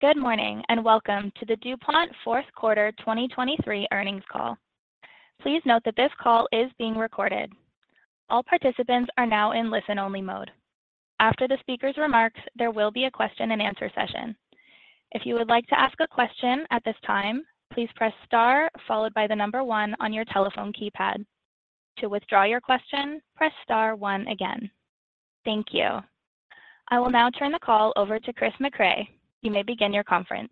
Good morning, and welcome to the DuPont fourth quarter 2023 earnings call. Please note that this call is being recorded. All participants are now in listen-only mode. After the speaker's remarks, there will be a question and answer session. If you would like to ask a question at this time, please press star followed by the number one on your telephone keypad. To withdraw your question, press star one again. Thank you. I will now turn the call over to Chris Mecray. You may begin your conference.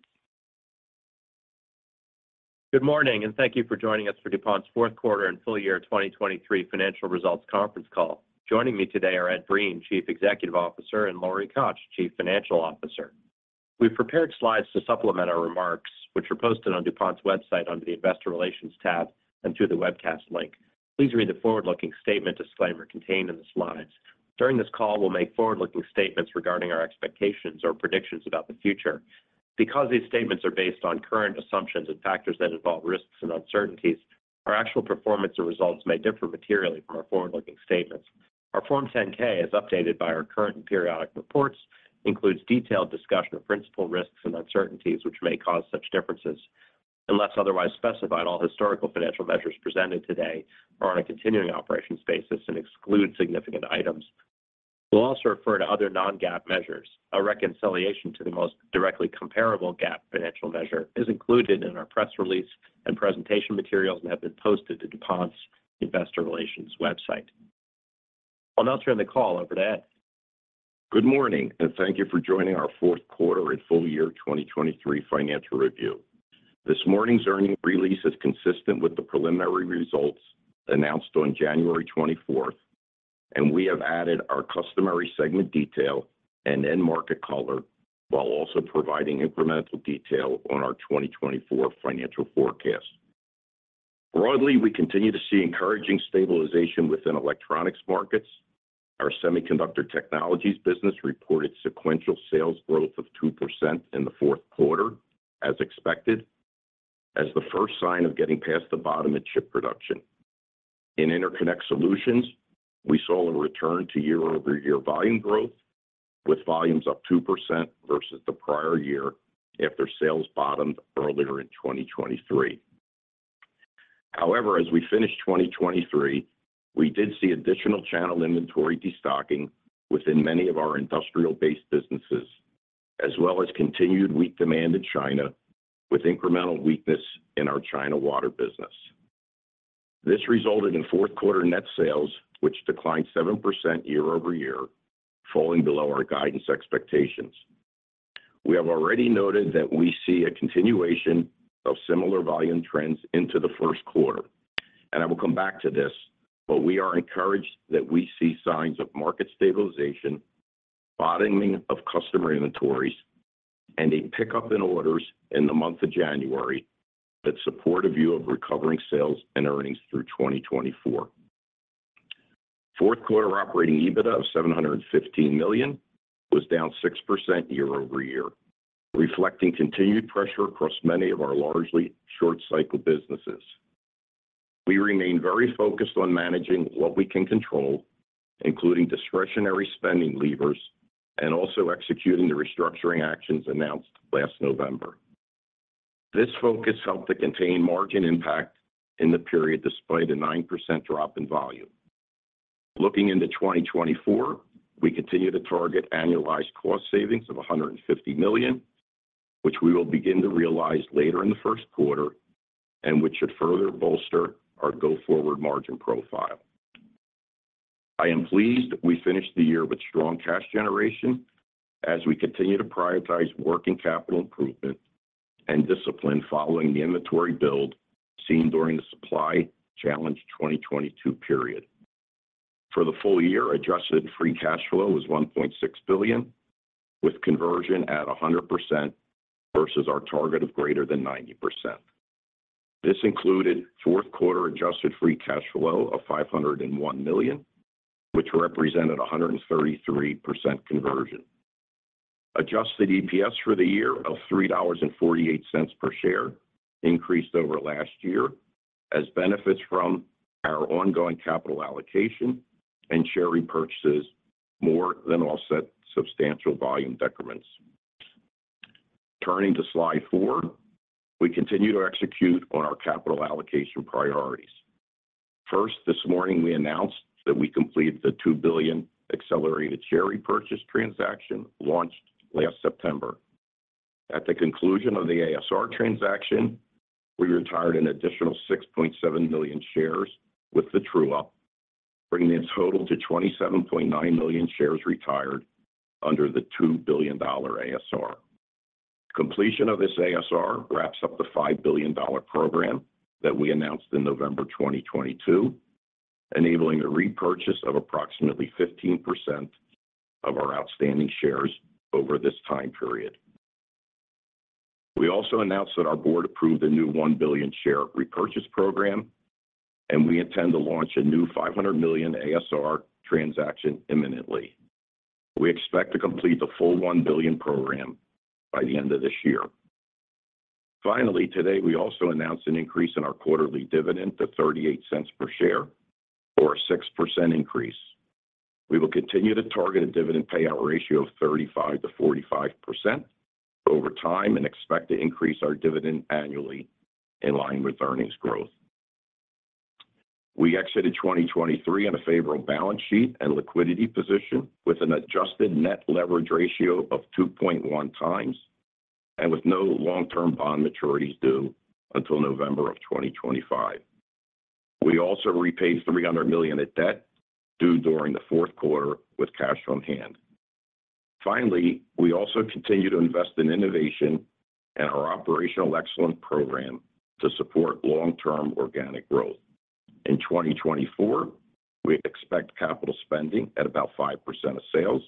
Good morning, and thank you for joining us for DuPont's fourth quarter and full year 2023 financial results conference call. Joining me today are Ed Breen, Chief Executive Officer, and Lori Koch, Chief Financial Officer. We've prepared slides to supplement our remarks, which are posted on DuPont's website under the Investor Relations tab and through the webcast link. Please read the forward-looking statement disclaimer contained in the slides. During this call, we'll make forward-looking statements regarding our expectations or predictions about the future. Because these statements are based on current assumptions and factors that involve risks and uncertainties, our actual performance or results may differ materially from our forward-looking statements. Our Form 10-K, as updated by our current and periodic reports, includes detailed discussion of principal risks and uncertainties, which may cause such differences. Unless otherwise specified, all historical financial measures presented today are on a continuing operations basis and exclude significant items. We'll also refer to other non-GAAP measures. A reconciliation to the most directly comparable GAAP financial measure is included in our press release and presentation materials and have been posted to DuPont's Investor Relations website. I'll now turn the call over to Ed. Good morning, and thank you for joining our fourth quarter and full year 2023 financial review. This morning's earnings release is consistent with the preliminary results announced on January 24th, and we have added our customary segment detail and end market color, while also providing incremental detail on our 2024 financial forecast. Broadly, we continue to see encouraging stabilization within electronics markets. Our Semiconductor Technologies business reported sequential sales growth of 2% in the fourth quarter, as expected, as the first sign of getting past the bottom in chip production. In Interconnect Solutions, we saw a return to year-over-year volume growth, with volumes up 2% versus the prior year after sales bottomed earlier in 2023. However, as we finished 2023, we did see additional channel inventory destocking within many of our industrial-based businesses, as well as continued weak demand in China, with incremental weakness in our China Water business. This resulted in fourth quarter net sales, which declined 7% year-over-year, falling below our guidance expectations. We have already noted that we see a continuation of similar volume trends into the first quarter, and I will come back to this, but we are encouraged that we see signs of market stabilization, bottoming of customer inventories, and a pickup in orders in the month of January that support a view of recovering sales and earnings through 2024. Fourth quarter operating EBITDA of $715 million was down 6% year-over-year, reflecting continued pressure across many of our largely short-cycle businesses. We remain very focused on managing what we can control, including discretionary spending levers and also executing the restructuring actions announced last November. This focus helped to contain margin impact in the period, despite a 9% drop in volume. Looking into 2024, we continue to target annualized cost savings of $150 million, which we will begin to realize later in the first quarter and which should further bolster our go-forward margin profile. I am pleased we finished the year with strong cash generation as we continue to prioritize working capital improvement and discipline following the inventory build seen during the supply challenge 2022 period. For the full year, adjusted free cash flow was $1.6 billion, with conversion at 100% versus our target of greater than 90%. This included fourth quarter adjusted free cash flow of $501 million, which represented 133% conversion. Adjusted EPS for the year of $3.48 per share increased over last year, as benefits from our ongoing capital allocation and share repurchases more than offset substantial volume decrements. Turning to slide four, we continue to execute on our capital allocation priorities. First, this morning, we announced that we completed the $2 billion accelerated share repurchase transaction launched last September. At the conclusion of the ASR transaction, we retired an additional 6.7 million shares with the true up, bringing the total to 27.9 million shares retired under the $2 billion ASR. Completion of this ASR wraps up the $5 billion program that we announced in November 2022, enabling the repurchase of approximately 15% of our outstanding shares over this time period. We also announced that our board approved a new $1 billion share repurchase program, and we intend to launch a new $500 million ASR transaction imminently. We expect to complete the full $1 billion program by the end of this year. Finally, today, we also announced an increase in our quarterly dividend to $0.38 per share, or a 6% increase. We will continue to target a dividend payout ratio of 35%-45% over time and expect to increase our dividend annually in line with earnings growth. We exited 2023 on a favorable balance sheet and liquidity position, with an adjusted net leverage ratio of 2.1 times and with no long-term bond maturities due until November 2025. We also repaid $300 million in debt due during the fourth quarter with cash on hand. Finally, we also continue to invest in innovation and our operational excellence program to support long-term organic growth. In 2024, we expect capital spending at about 5% of sales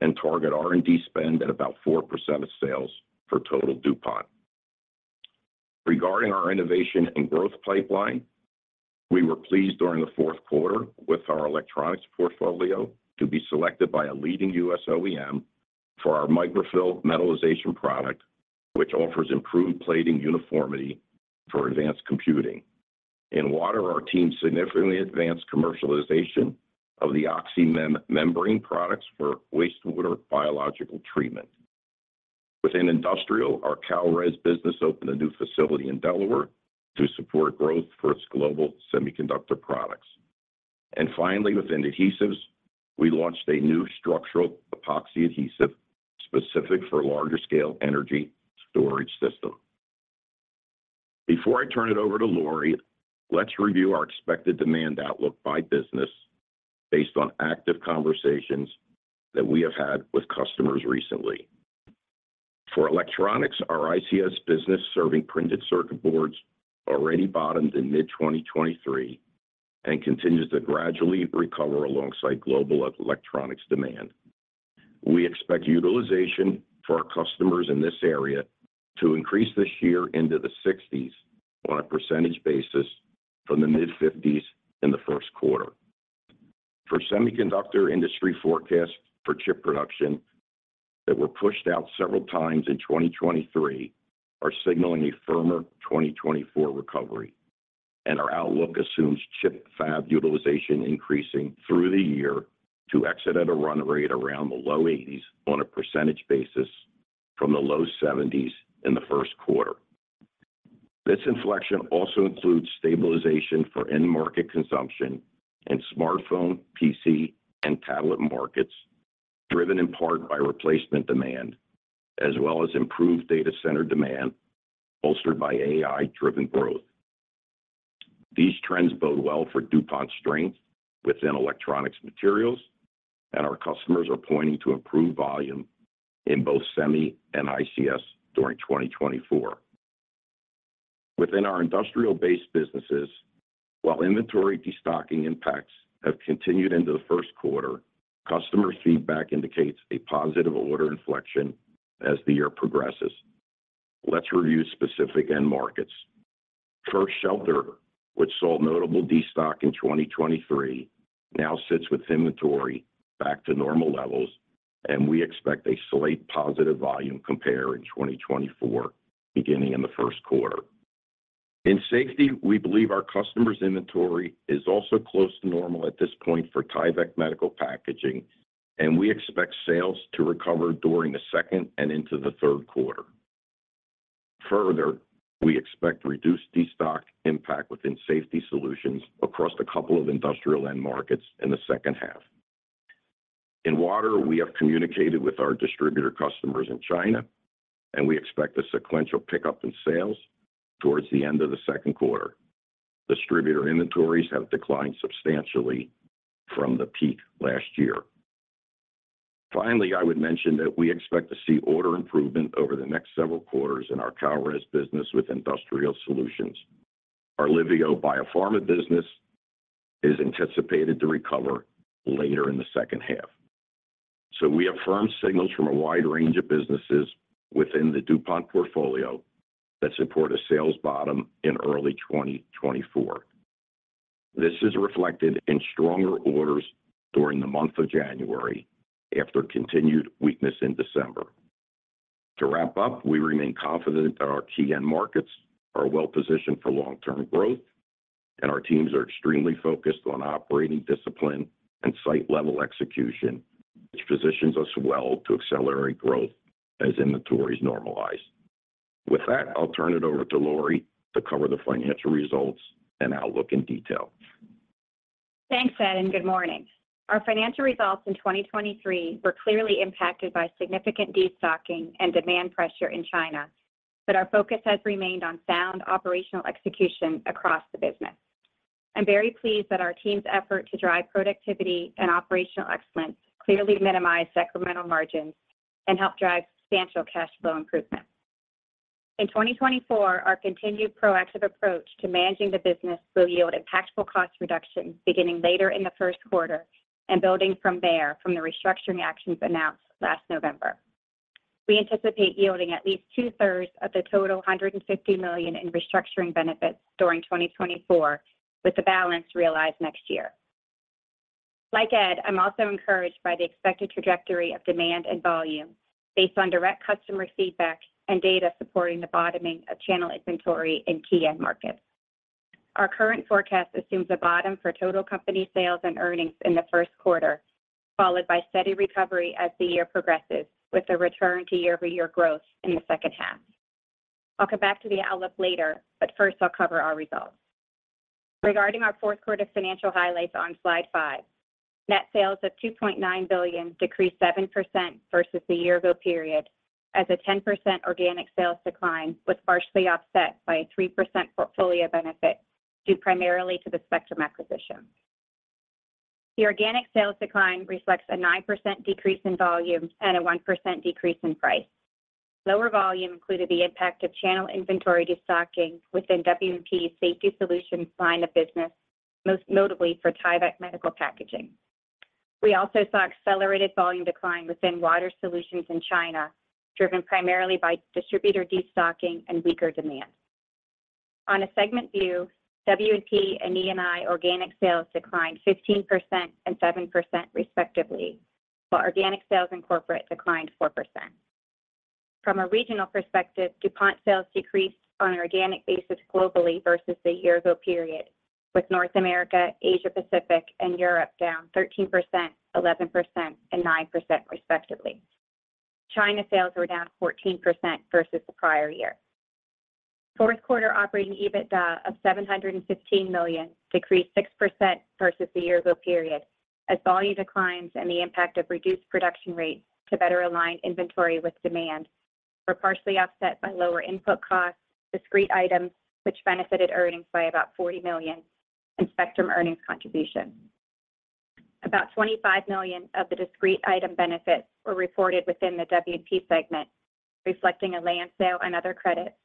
and target R&D spend at about 4% of sales for total DuPont. Regarding our innovation and growth pipeline, we were pleased during the fourth quarter with our electronics portfolio to be selected by a leading U.S. OEM for our Microfill metallization product, which offers improved plating uniformity for advanced computing. In Water, our team significantly advanced commercialization of the OxyMem membrane products for wastewater biological treatment. Within industrial, our Kalrez business opened a new facility in Delaware to support growth for its global semiconductor products. Finally, within adhesives, we launched a new structural epoxy adhesive specific for larger scale energy storage system. Before I turn it over to Lori, let's review our expected demand outlook by business based on active conversations that we have had with customers recently. For electronics, our ICS business serving printed circuit boards already bottomed in mid-2023 and continues to gradually recover alongside global electronics demand. We expect utilization for our customers in this area to increase this year into the 60s% from the mid-50s% in the first quarter. For semiconductor industry forecasts for chip production that were pushed out several times in 2023, are signaling a firmer 2024 recovery, and our outlook assumes chip fab utilization increasing through the year to exit at a run rate around the low 80s% from the low 70s% in the first quarter. This inflection also includes stabilization for end market consumption in smartphone, PC, and tablet markets, driven in part by replacement demand, as well as improved data center demand, bolstered by AI-driven growth. These trends bode well for DuPont's strength within electronics materials, and our customers are pointing to improved volume in both Semi and ICS during 2024. Within our industrial-based businesses, while inventory destocking impacts have continued into the first quarter, customer feedback indicates a positive order inflection as the year progresses. Let's review specific end markets. For Shelter, which saw notable destock in 2023, now sits with inventory back to normal levels, and we expect a slight positive volume compare in 2024, beginning in the first quarter. In Safety, we believe our customers' inventory is also close to normal at this point for Tyvek Medical Packaging, and we expect sales to recover during the second and into the third quarter. Further, we expect reduced destock impact within safety solutions across a couple of industrial end markets in the second half. In Water, we have communicated with our distributor customers in China, and we expect a sequential pickup in sales towards the end of the second quarter. Distributor inventories have declined substantially from the peak last year. Finally, I would mention that we expect to see order improvement over the next several quarters in our Kalrez business with Industrial Solutions. Our Liveo biopharma business is anticipated to recover later in the second half. We have firm signals from a wide range of businesses within the DuPont portfolio that support a sales bottom in early 2024. This is reflected in stronger orders during the month of January, after continued weakness in December. To wrap up, we remain confident that our key end markets are well positioned for long-term growth, and our teams are extremely focused on operating discipline and site-level execution, which positions us well to accelerate growth as inventories normalize. With that, I'll turn it over to Lori to cover the financial results and outlook in detail. Thanks, Ed, and good morning. Our financial results in 2023 were clearly impacted by significant destocking and demand pressure in China, but our focus has remained on sound operational execution across the business. I'm very pleased that our team's effort to drive productivity and operational excellence clearly minimized incremental margins and helped drive substantial cash flow improvement. In 2024, our continued proactive approach to managing the business will yield impactful cost reductions beginning later in the first quarter and building from there from the restructuring actions announced last November. We anticipate yielding at least two-thirds of the total $150 million in restructuring benefits during 2024, with the balance realized next year. Like Ed, I'm also encouraged by the expected trajectory of demand and volume based on direct customer feedback and data supporting the bottoming of channel inventory in key end markets. Our current forecast assumes a bottom for total company sales and earnings in the first quarter, followed by steady recovery as the year progresses, with a return to year-over-year growth in the second half. I'll come back to the outlook later, but first I'll cover our results. Regarding our fourth quarter financial highlights on slide five, net sales of $2.9 billion decreased 7% versus the year ago period, as a 10% organic sales decline was partially offset by a 3% portfolio benefit due primarily to the Spectrum acquisition. The organic sales decline reflects a 9% decrease in volume and a 1% decrease in price. Lower volume included the impact of channel inventory destocking within W&P's Safety Solutions line of business, most notably for Tyvek Medical Packaging. We also saw accelerated volume decline within Water Solutions in China, driven primarily by distributor destocking and weaker demand. On a segment view, W&P and E&I organic sales declined 15% and 7%, respectively, while organic sales in corporate declined 4%. From a regional perspective, DuPont sales decreased on an organic basis globally versus the year ago period, with North America, Asia Pacific, and Europe down 13%, 11%, and 9%, respectively. China sales were down 14% versus the prior year. Fourth quarter operating EBITDA of $715 million decreased 6% versus the year ago period, as volume declines and the impact of reduced production rates to better align inventory with demand were partially offset by lower input costs, discrete items which benefited earnings by about $40 million, and Spectrum earnings contribution. About $25 million of the discrete item benefits were reported within the W&P segment, reflecting a land sale and other credits,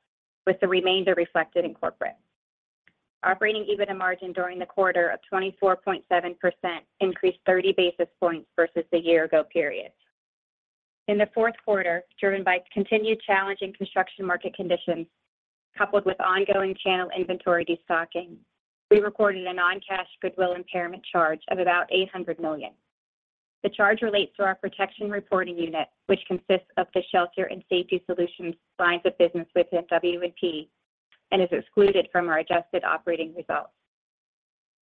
with the remainder reflected in corporate. Operating EBITDA margin during the quarter of 24.7% increased 30 basis points versus the year ago period. In the fourth quarter, driven by continued challenging construction market conditions coupled with ongoing channel inventory destocking, we recorded a non-cash goodwill impairment charge of about $800 million. The charge relates to our Protection reporting unit, which consists of the Shelter and Safety Solutions lines of business within W&P, and is excluded from our adjusted operating results.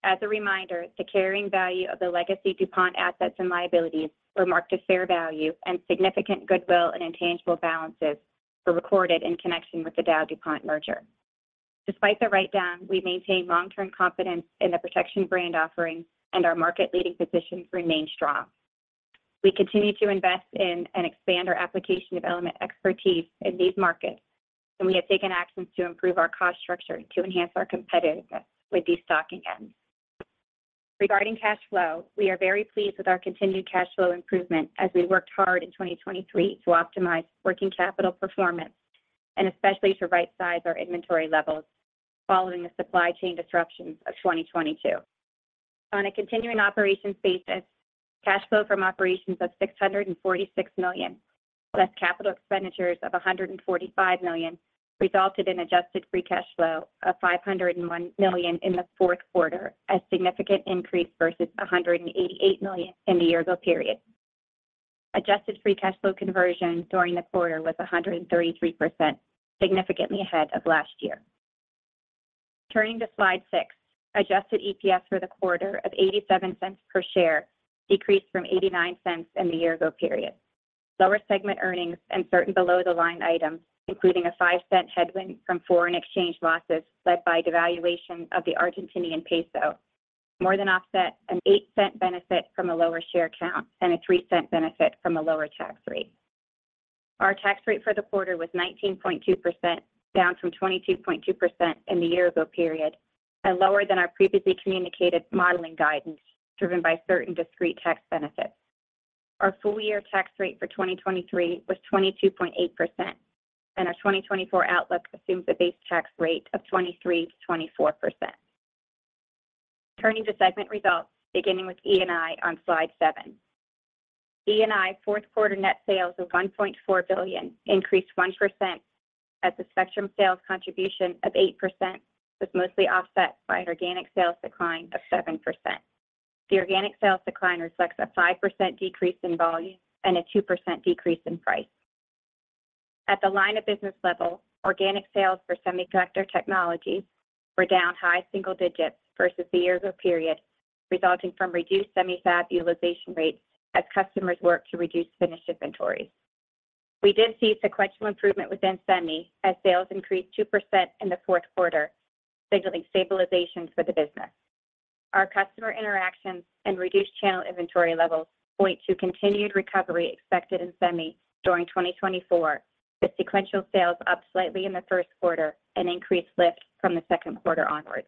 As a reminder, the carrying value of the legacy DuPont assets and liabilities were marked to fair value, and significant goodwill and intangible balances were recorded in connection with the DowDuPont merger. Despite the write-down, we maintain long-term confidence in the Protection brand offerings, and our market-leading position remains strong. We continue to invest in and expand our application development expertise in these markets, and we have taken actions to improve our cost structure to enhance our competitiveness with destocking ends. Regarding cash flow, we are very pleased with our continued cash flow improvement as we worked hard in 2023 to optimize working capital performance and especially to right size our inventory levels following the supply chain disruptions of 2022. On a continuing operations basis, cash flow from operations of $646 million, plus capital expenditures of $145 million, resulted in adjusted free cash flow of $501 million in the fourth quarter, a significant increase versus $188 million in the year ago period. Adjusted free cash flow conversion during the quarter was 133%, significantly ahead of last year. Turning to slide six, adjusted EPS for the quarter of $0.87 per share decreased from $0.89 in the year ago period. Lower segment earnings and certain below-the-line items, including a $0.05 headwind from foreign exchange losses led by devaluation of the Argentine peso, more than offset a $0.08 benefit from a lower share count and a $0.03 benefit from a lower tax rate. Our tax rate for the quarter was 19.2%, down from 22.2% in the year ago period, and lower than our previously communicated modeling guidance, driven by certain discrete tax benefits. Our full year tax rate for 2023 was 22.8%, and our 2024 outlook assumes a base tax rate of 23%-24%. Turning to segment results, beginning with E&I on slide seven. E&I fourth quarter net sales of $1.4 billion increased 1%, as the Spectrum sales contribution of 8% was mostly offset by an organic sales decline of 7%. The organic sales decline reflects a 5% decrease in volume and a 2% decrease in price. At the line of business level, organic sales for Semiconductor Technologies were down high single digits versus the year ago period, resulting from reduced Semi fab utilization rates as customers worked to reduce finished inventories. We did see sequential improvement within Semi as sales increased 2% in the fourth quarter, signaling stabilization for the business. Our customer interactions and reduced channel inventory levels point to continued recovery expected in Semi during 2024, with sequential sales up slightly in the first quarter and increased lift from the second quarter onwards.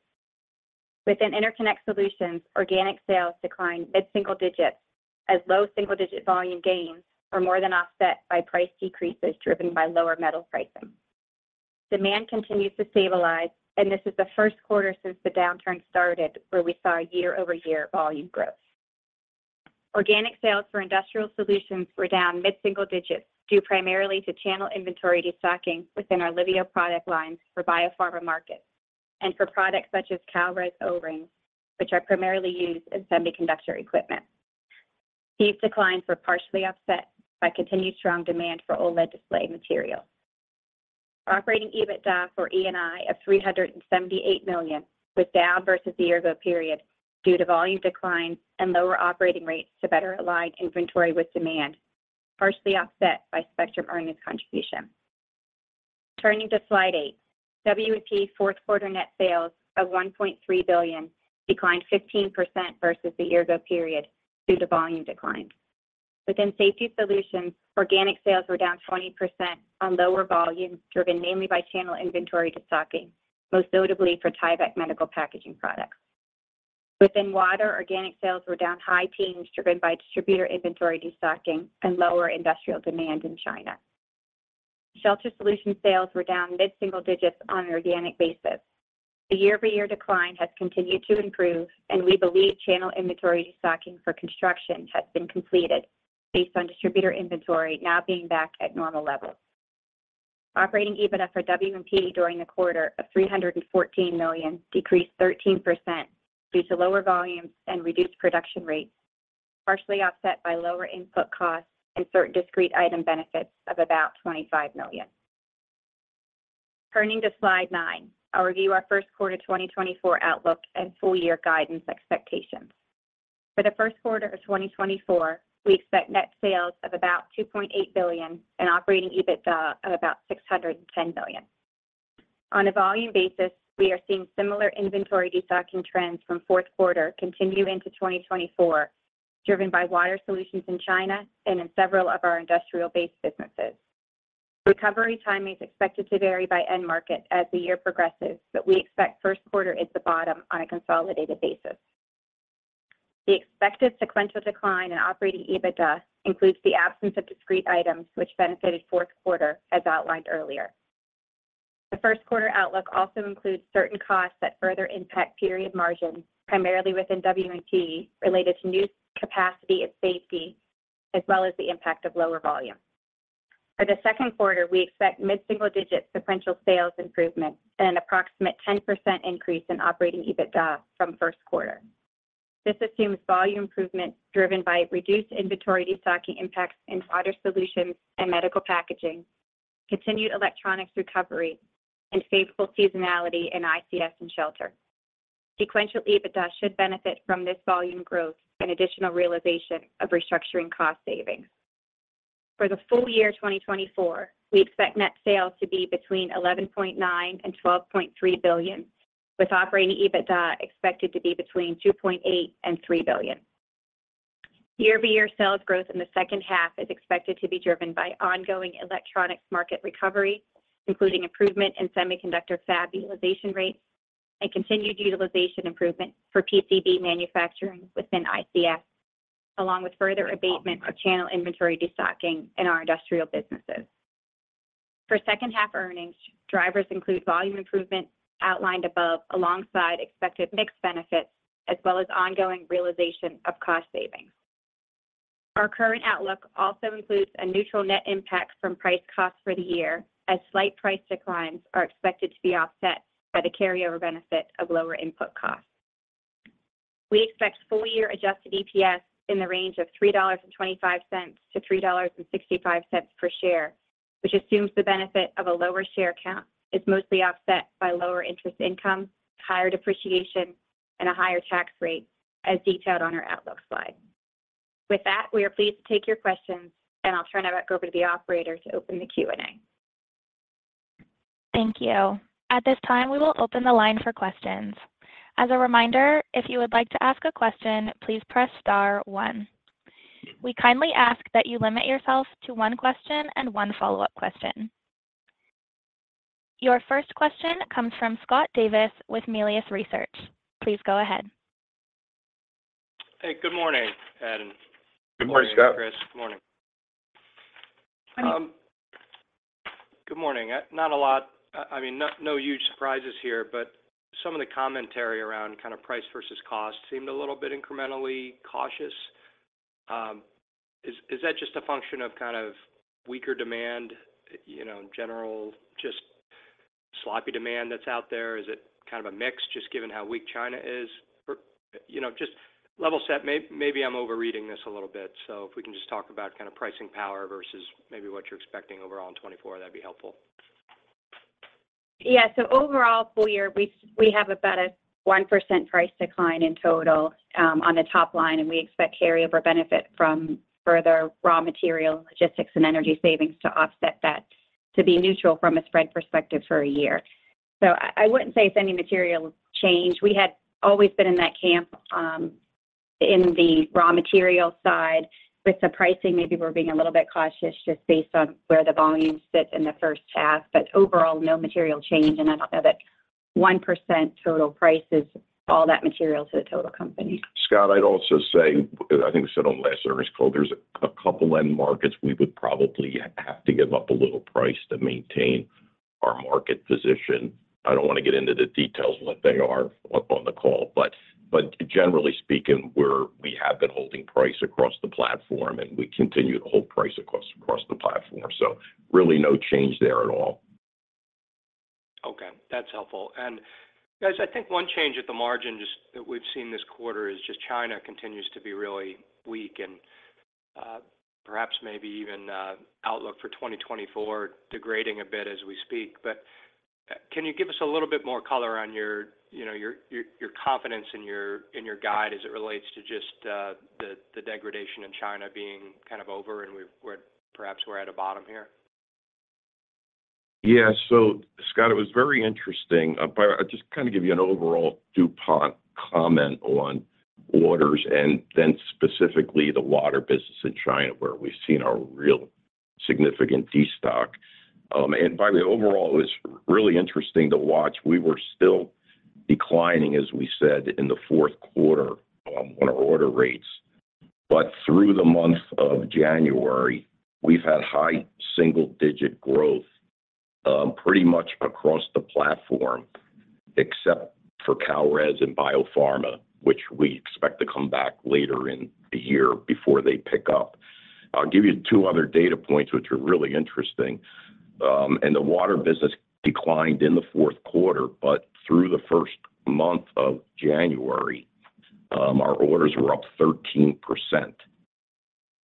Within Interconnect Solutions, organic sales declined mid-single digits, as low single-digit volume gains were more than offset by price decreases driven by lower metal pricing. Demand continues to stabilize, and this is the first quarter since the downturn started where we saw a year-over-year volume growth. Organic sales for Industrial Solutions were down mid-single digits, due primarily to channel inventory destocking within our Liveo product lines for biopharma markets and for products such as Kalrez O-rings, which are primarily used in semiconductor equipment. These declines were partially offset by continued strong demand for OLED display materials. Operating EBITDA for E&I of $378 million was down versus the year-ago period due to volume declines and lower operating rates to better align inventory with demand, partially offset by Spectrum earnings contribution. Turning to slide eight, W&P fourth quarter net sales of $1.3 billion declined 15% versus the year-ago period due to volume declines. Within Safety Solutions, organic sales were down 20% on lower volumes, driven mainly by channel inventory destocking, most notably for Tyvek Medical Packaging products. Within Water, organic sales were down high teens, driven by distributor inventory destocking and lower industrial demand in China. Shelter Solutions sales were down mid-single digits on an organic basis. The year-over-year decline has continued to improve, and we believe channel inventory destocking for construction has been completed based on distributor inventory now being back at normal levels. Operating EBITDA for W&P during the quarter of $314 million decreased 13% due to lower volumes and reduced production rates, partially offset by lower input costs and certain discrete item benefits of about $25 million. Turning to slide nine, I'll review our first quarter 2024 outlook and full year guidance expectations. For the first quarter of 2024, we expect net sales of about $2.8 billion and operating EBITDA of about $610 million. On a volume basis, we are seeing similar inventory destocking trends from fourth quarter continue into 2024, driven by Water Solutions in China and in several of our industrial-based businesses. Recovery timing is expected to vary by end market as the year progresses, but we expect first quarter at the bottom on a consolidated basis. The expected sequential decline in operating EBITDA includes the absence of discrete items which benefited fourth quarter, as outlined earlier. The first quarter outlook also includes certain costs that further impact period margins, primarily within W&P, related to new capacity and safety, as well as the impact of lower volume. For the second quarter, we expect mid-single digit sequential sales improvement and an approximate 10% increase in operating EBITDA from first quarter. This assumes volume improvement driven by reduced inventory destocking impacts in Water Solutions and medical packaging, continued electronics recovery, and favorable seasonality in ICS and shelter. Sequential EBITDA should benefit from this volume growth and additional realization of restructuring cost savings. For the full year 2024, we expect net sales to be between $11.9 billion and $12.3 billion, with operating EBITDA expected to be between $2.8 billion and $3 billion. Year-over-year sales growth in the second half is expected to be driven by ongoing electronics market recovery, including improvement in semiconductor fab utilization rates and continued utilization improvement for PCB manufacturing within ICS, along with further abatement of channel inventory destocking in our industrial businesses. For second half earnings, drivers include volume improvement outlined above, alongside expected mix benefits, as well as ongoing realization of cost savings. Our current outlook also includes a neutral net impact from price cost for the year, as slight price declines are expected to be offset by the carryover benefit of lower input costs. We expect full year adjusted EPS in the range of $3.25-$3.65 per share, which assumes the benefit of a lower share count is mostly offset by lower interest income, higher depreciation, and a higher tax rate, as detailed on our outlook slide. With that, we are pleased to take your questions, and I'll turn it back over to the operator to open the Q&A. Thank you. At this time, we will open the line for questions. As a reminder, if you would like to ask a question, please press star one. We kindly ask that you limit yourself to one question and one follow-up question. Your first question comes from Scott Davis with Melius Research. Please go ahead. Hey, good morning, Ed. Good morning, Scott. Chris, good morning. Good morning. Not a lot, I mean, no huge surprises here, but some of the commentary around kind of price versus cost seemed a little bit incrementally cautious. Is that just a function of kind of weaker demand, you know, in general, just sloppy demand that's out there? Is it kind of a mix, just given how weak China is? For you know, just level set, maybe I'm overreading this a little bit. So if we can just talk about kind of pricing power versus maybe what you're expecting overall in 2024, that'd be helpful. Yeah. So overall, full year, we, we have about a 1% price decline in total, on the top line, and we expect carryover benefit from further raw material, logistics, and energy savings to offset that, to be neutral from a spread perspective for a year. So I, I wouldn't say it's any material change. We had always been in that camp, in the raw material side. With the pricing, maybe we're being a little bit cautious just based on where the volumes sit in the first half. But overall, no material change, and I'd say that 1% total price is all that material to the total company. Scott, I'd also say, I think we said on last earnings call, there's a couple end markets, we would probably have to give up a little price to maintain our market position. I don't want to get into the details of what they are up on the call, but generally speaking, we have been holding price across the platform, and we continue to hold price across the platform. So really no change there at all. Okay, that's helpful. And guys, I think one change at the margin just that we've seen this quarter is just China continues to be really weak and perhaps maybe even outlook for 2024 degrading a bit as we speak. But can you give us a little bit more color on your, you know, your confidence in your guide as it relates to just the degradation in China being kind of over and we're perhaps at a bottom here? Yeah. So, Scott, it was very interesting. But I'll just kind of give you an overall DuPont comment on orders and then specifically the water business in China, where we've seen a real significant destock. And by the way, overall, it was really interesting to watch. We were still declining, as we said, in the fourth quarter, on our order rates. But through the month of January, we've had high single-digit growth, pretty much across the platform, except for Kalrez and Biopharma, which we expect to come back later in the year before they pick up. I'll give you two other data points, which are really interesting. And the water business declined in the fourth quarter, but through the first month of January, our orders were up 13%.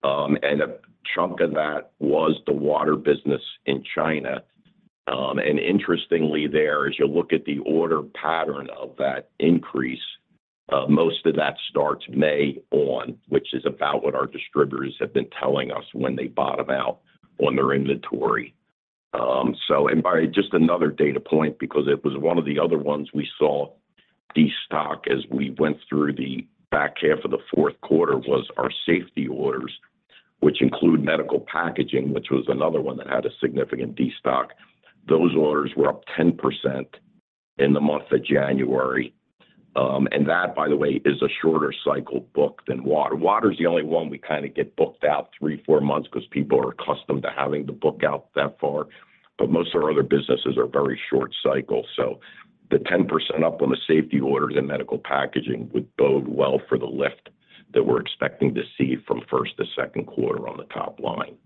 And a chunk of that was the water business in China. And interestingly there, as you look at the order pattern of that increase, most of that starts May on, which is about what our distributors have been telling us when they bottom out on their inventory. So and by just another data point, because it was one of the other ones we saw destock as we went through the back half of the fourth quarter, was our safety orders, which include medical packaging, which was another one that had a significant destock. Those orders were up 10% in the month of January. And that, by the way, is a shorter cycle book than water. Water is the only one we kind of get booked out three, four months because people are accustomed to having to book out that far. But most of our other businesses are very short cycle. So the 10% up on the safety orders in medical packaging would bode well for the lift that we're expecting to see from first to second quarter on the top line.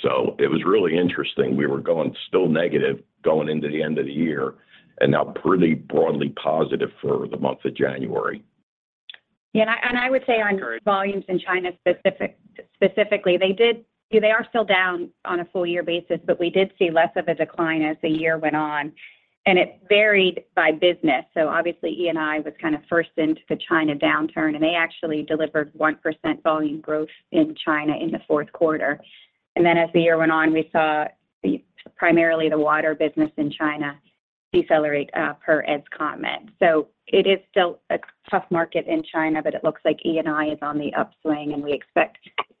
So it was really interesting. We were going still negative going into the end of the year and now pretty broadly positive for the month of January. Yeah, and I would say on volumes in China specifically, they are still down on a full year basis, but we did see less of a decline as the year went on, and it varied by business. So obviously, E&I was kind of first into the China downturn, and they actually delivered 1% volume growth in China in the fourth quarter. And then as the year went on, we saw primarily the water business in China decelerate, per Ed's comment. So it is still a tough market in China, but it looks like E&I is on the upswing, and we expect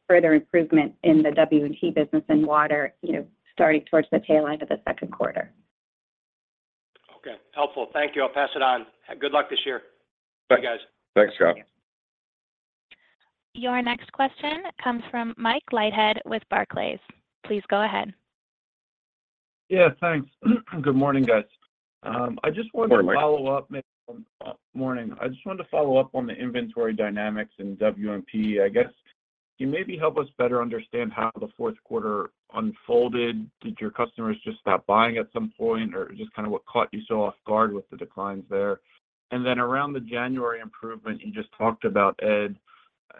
further improvement in the W&P business and water, you know, starting towards the tail end of the second quarter. Okay, helpful. Thank you. I'll pass it on. Good luck this year. Bye. Thanks, guys. Thanks, Scott. Your next question comes from Mike Leithead with Barclays. Please go ahead. Yeah, thanks. Good morning, guys. I just wanted- Good morning. To follow up, morning. I just wanted to follow up on the inventory dynamics in W&P. I guess, can you maybe help us better understand how the fourth quarter unfolded? Did your customers just stop buying at some point, or just kind of what caught you so off guard with the declines there? And then around the January improvement you just talked about, Ed,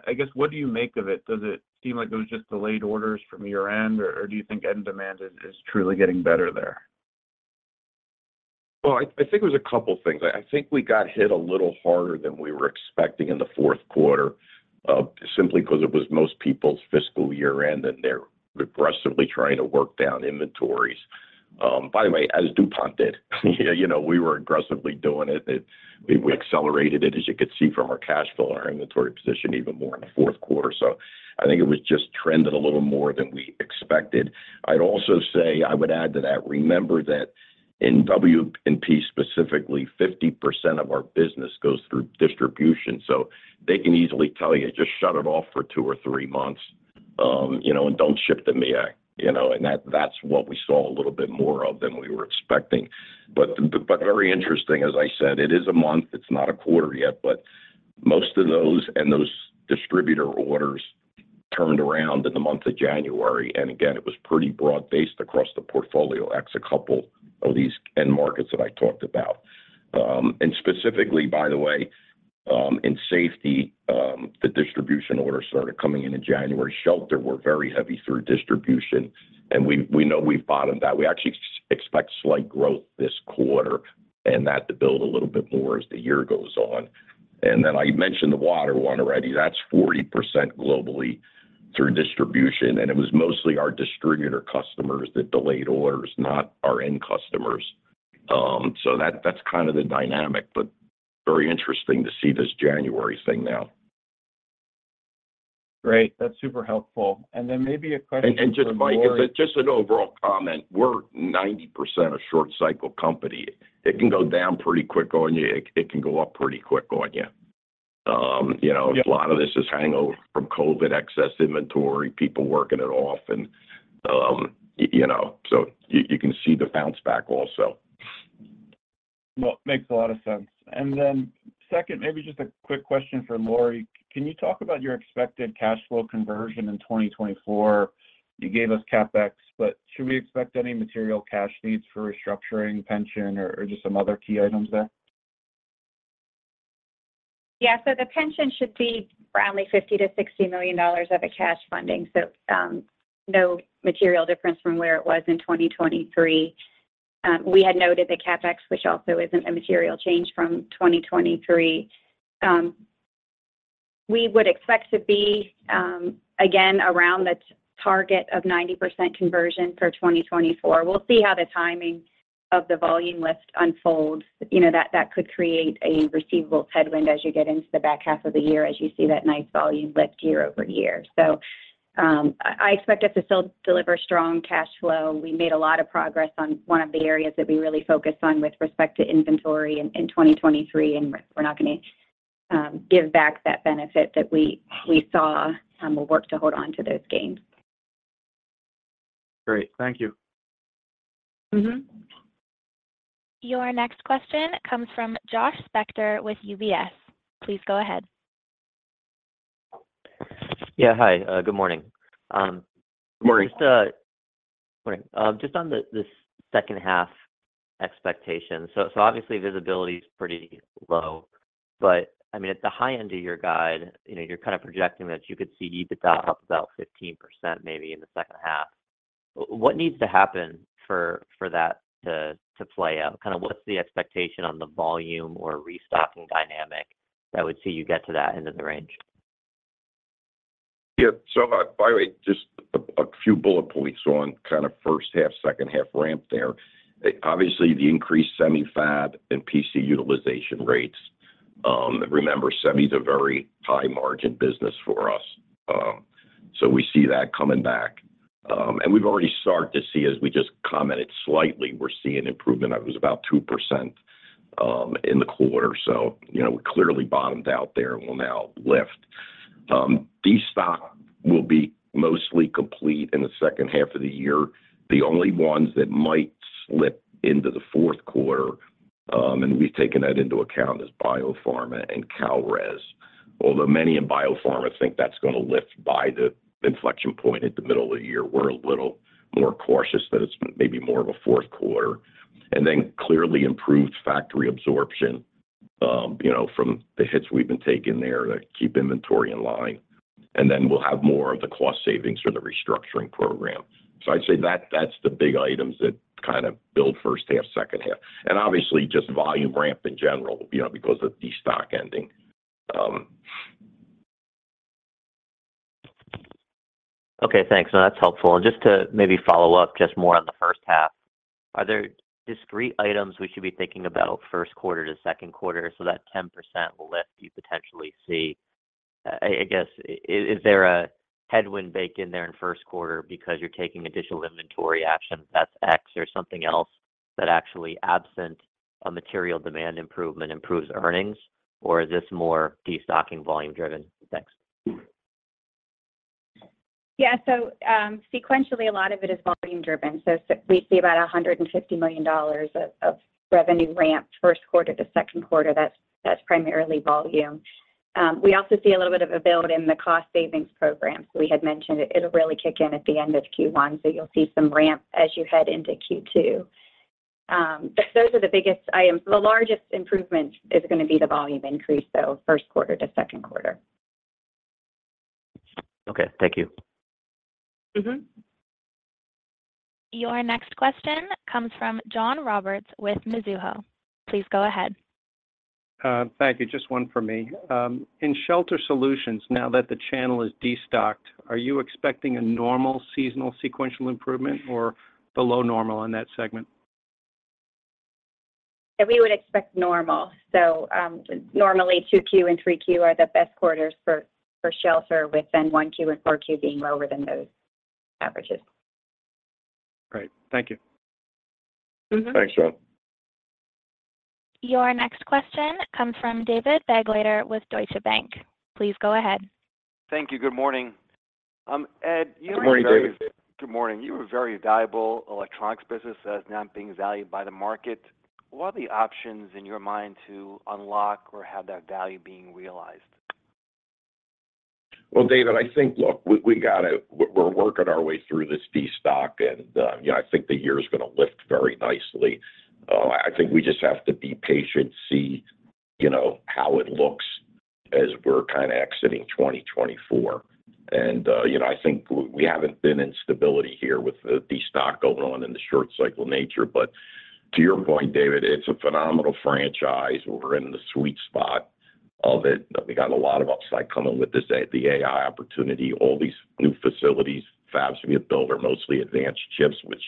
I guess, what do you make of it? Does it seem like it was just delayed orders from year-end, or do you think end demand is truly getting better there? Well, I think it was a couple of things. I think we got hit a little harder than we were expecting in the fourth quarter, simply because it was most people's fiscal year-end, and they're aggressively trying to work down inventories. By the way, as DuPont did, you know, we were aggressively doing it, and we accelerated it, as you could see from our cash flow, our inventory position even more in the fourth quarter. So I think it was just trended a little more than we expected. I'd also say I would add to that, remember that in W&P specifically, 50% of our business goes through distribution, so they can easily tell you, just shut it off for two or three months, you know, and don't ship the EMEA, you know, and that, that's what we saw a little bit more of than we were expecting. But, but very interesting, as I said, it is a month. It's not a quarter yet, but most of those and those distributor orders turned around in the month of January, and again, it was pretty broad-based across the portfolio, ex a couple of these end markets that I talked about. And specifically, by the way, in Safety, the distribution order started coming in in January. Shelter, we're very heavy through distribution, and we, we know we've bottomed that. We actually expect slight growth this quarter and that to build a little bit more as the year goes on. Then I mentioned the water one already. That's 40% globally through distribution, and it was mostly our distributor customers that delayed orders, not our end customers. So that's kind of the dynamic, but very interesting to see this January thing now. Great, that's super helpful. Then maybe a question for- And just, Mike, just an overall comment. We're 90% a short cycle company. It can go down pretty quick on you, it can go up pretty quick on you. You know, a lot of this is hangover from COVID, excess inventory, people working it off, and you know, so you can see the bounce back also. Well, makes a lot of sense. And then second, maybe just a quick question for Lori. Can you talk about your expected cash flow conversion in 2024? You gave us CapEx, but should we expect any material cash needs for restructuring, pension, or, or just some other key items there? Yeah. So the pension should be around $50 million-$60 million of a cash funding. So, no material difference from where it was in 2023. We had noted the CapEx, which also isn't a material change from 2023. We would expect to be, again, around the target of 90% conversion for 2024. We'll see how the timing of the volume lift unfolds. You know, that could create a receivable headwind as you get into the back half of the year, as you see that nice volume lift year-over-year. So, I expect us to still deliver strong cash flow. We made a lot of progress on one of the areas that we really focused on with respect to inventory in 2023, and we're not gonna give back that benefit that we saw. We'll work to hold on to those gains. Great. Thank you. Mm-hmm. Your next question comes from Josh Spector with UBS. Please go ahead. Yeah, hi. Good morning. Morning. Morning. Just on the second half expectation. So obviously, visibility is pretty low, but I mean, at the high end of your guide, you know, you're kind of projecting that you could see EBITDA up about 15%, maybe in the second half. What needs to happen for that to play out? Kind of what's the expectation on the volume or restocking dynamic that would see you get to that end of the range? Yeah. So, by the way, just a few bullet points on kind of first half, second half ramp there. Obviously, the increased semi fab and PC utilization rates. Remember, semi is a very high margin business for us. So we see that coming back. And we've already started to see, as we just commented slightly, we're seeing improvement. It was about 2%, in the quarter. So, you know, we clearly bottomed out there and will now lift. Destock will be mostly complete in the second half of the year. The only ones that might slip into the fourth quarter, and we've taken that into account, is biopharma and Kalrez. Although many in biopharma think that's gonna lift by the inflection point at the middle of the year, we're a little more cautious that it's maybe more of a fourth quarter. And then clearly improved factory absorption, you know, from the hits we've been taking there to keep inventory in line. And then we'll have more of the cost savings for the restructuring program. So I'd say that's the big items that kind of build first half, second half, and obviously just volume ramp in general, you know, because of the stock ending. Okay, thanks. No, that's helpful. And just to maybe follow up, just more on the first half, are there discrete items we should be thinking about first quarter to second quarter, so that 10% lift you potentially see? I guess, is there a headwind baked in there in first quarter because you're taking additional inventory action, that's X or something else, that actually absent a material demand improvement, improves earnings, or is this more destocking volume driven? Thanks. Yeah. So, sequentially, a lot of it is volume driven. So we see about $150 million of, of revenue ramp first quarter to second quarter. That's, that's primarily volume. We also see a little bit of a build in the cost savings program. We had mentioned it. It'll really kick in at the end of Q1, so you'll see some ramp as you head into Q2. But those are the biggest items. The largest improvement is gonna be the volume increase, so first quarter to second quarter. Okay, thank you. Mm-hmm. Your next question comes from John Roberts with Mizuho. Please go ahead. Thank you. Just one for me. In Shelter Solutions, now that the channel is destocked, are you expecting a normal seasonal sequential improvement or below normal in that segment? Yeah, we would expect normal. So, normally, 2Q and 3Q are the best quarters for shelter, with 1Q and 4Q being lower than those averages. Great. Thank you. Mm-hmm. Thanks, John. Your next question comes from David Begleiter with Deutsche Bank. Please go ahead. Thank you. Good morning. Ed, you- Good morning, David. Good morning. You are a very valuable electronics business that is now being valued by the market. What are the options in your mind to unlock or have that value being realized? Well, David, I think, look, we gotta we're working our way through this destock and, you know, I think the year is gonna lift very nicely. I think we just have to be patient, see, you know, how it looks as we're kind of exiting 2024. And, you know, I think we haven't been in stability here with the destock going on in the short cycle nature. But to your point, David, it's a phenomenal franchise. We're in the sweet spot of it. We got a lot of upside coming with this AI, the AI opportunity. All these new facilities, fabs we have built, are mostly advanced chips, which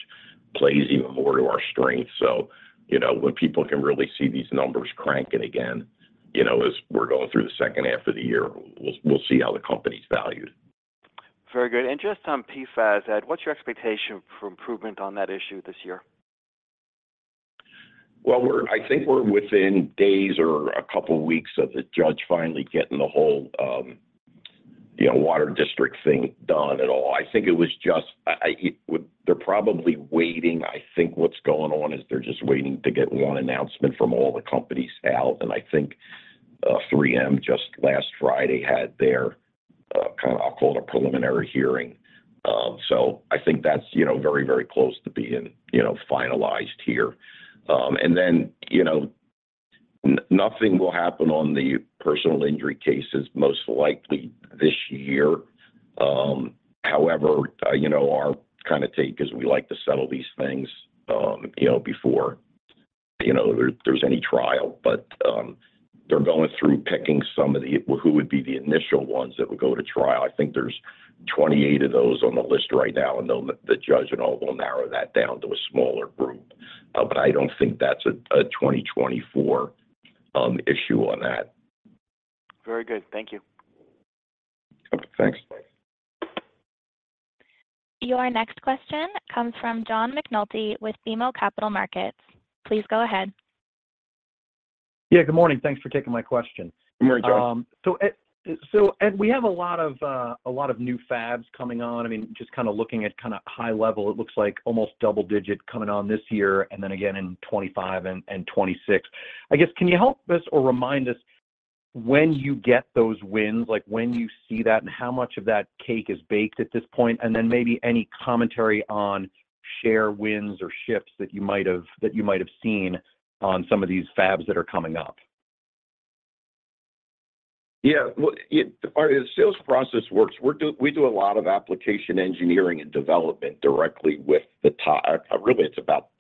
plays even more to our strength. So, you know, when people can really see these numbers cranking again, you know, as we're going through the second half of the year, we'll see how the company's valued. Very good. And just on PFAS, Ed, what's your expectation for improvement on that issue this year? Well, I think we're within days or a couple of weeks of the judge finally getting the whole water district thing done at all. I think they're probably waiting. I think what's going on is they're just waiting to get one announcement from all the companies out, and I think, 3M just last Friday had their kind of, I'll call it a preliminary hearing. So I think that's very, very close to being finalized here. And then, nothing will happen on the personal injury cases most likely this year. However, our kind of take is we like to settle these things before there's any trial. But, they're going through picking some of the, who would be the initial ones that would go to trial. I think there's 28 of those on the list right now, and the judge and all will narrow that down to a smaller group. But I don't think that's a 2024 issue on that. Very good. Thank you. Okay, thanks. Your next question comes from John McNulty with BMO Capital Markets. Please go ahead. Yeah, good morning. Thanks for taking my question. Good morning, John. So Ed, we have a lot of a lot of new fabs coming on. I mean, just kind of looking at kind of high level, it looks like almost double digit coming on this year, and then again in 2025 and 2026. I guess, can you help us or remind us when you get those wins, like, when you see that, and how much of that cake is baked at this point? And then maybe any commentary on share wins or shifts that you might have, that you might have seen on some of these fabs that are coming up. Yeah, well, our sales process works. We do a lot of application engineering and development directly with the top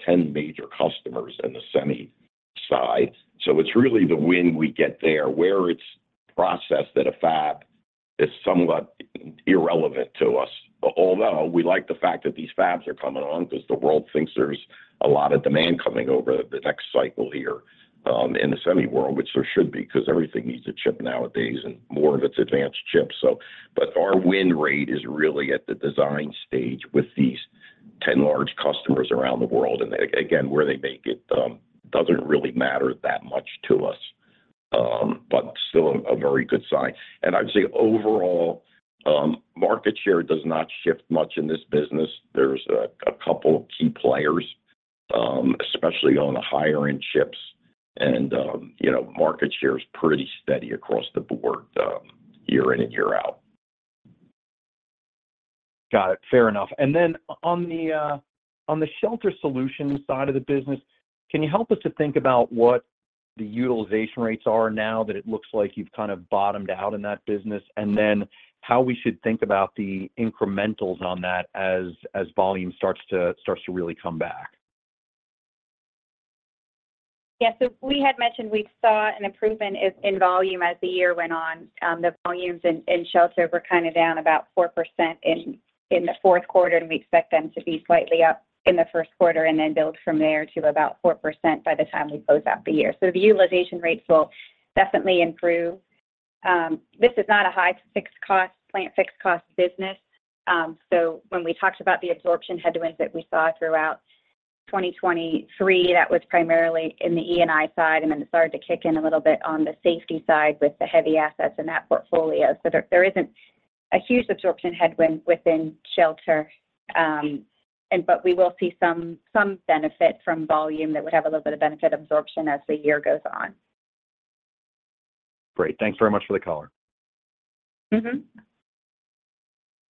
10 major customers in the Semi side. Really, it's about the win we get there. Where it's processed at a fab is somewhat irrelevant to us. Although, we like the fact that these fabs are coming on because the world thinks there's a lot of demand coming over the next cycle here in the semi world, which there should be, because everything needs a chip nowadays and more of it's advanced chips. So, but our win rate is really at the design stage with these 10 large customers around the world, and again, where they make it doesn't really matter that much to us, but still a very good sign. I'd say overall, market share does not shift much in this business. There's a couple of key players, especially on the higher-end chips, and, you know, market share is pretty steady across the board, year in and year out. Got it. Fair enough. And then on the Shelter Solutions side of the business, can you help us to think about what the utilization rates are now that it looks like you've kind of bottomed out in that business? And then how we should think about the incrementals on that as volume starts to really come back. Yeah. So we had mentioned we saw an improvement in volume as the year went on. The volumes in shelter were kind of down about 4% in the fourth quarter, and we expect them to be slightly up in the first quarter and then build from there to about 4% by the time we close out the year. So the utilization rates will definitely improve. This is not a high fixed cost, plant fixed cost business. So when we talked about the absorption headwinds that we saw throughout 2023, that was primarily in the E&I side, and then it started to kick in a little bit on the safety side with the heavy assets in that portfolio. So there isn't a huge absorption headwind within shelter, and but we will see some benefit from volume that would have a little bit of benefit absorption as the year goes on. Great. Thanks very much for the color. Mm-hmm.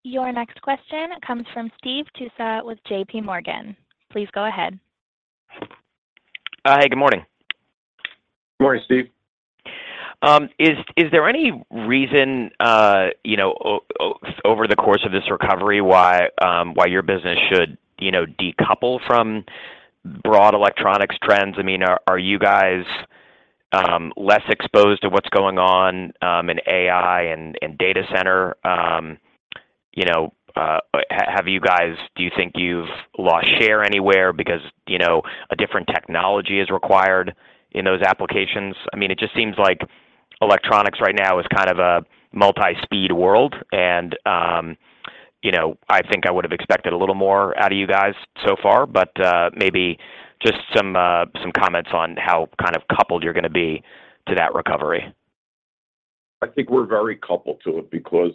Your next question comes from Steve Tusa with J.P. Morgan. Please go ahead. Hey, good morning. Good morning, Steve. Is there any reason, you know, over the course of this recovery, why your business should, you know, decouple from broad electronics trends? I mean, are you guys less exposed to what's going on in AI and data center? You know, have you guys, do you think you've lost share anywhere because, you know, a different technology is required in those applications? I mean, it just seems like electronics right now is kind of a multi-speed world, and, you know, I think I would have expected a little more out of you guys so far, but, maybe just some comments on how kind of coupled you're going to be to that recovery. I think we're very coupled to it because